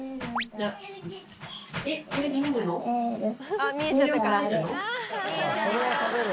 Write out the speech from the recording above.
あっ見えちゃったから。